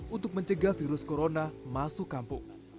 untuk mencegah virus corona masuk kampung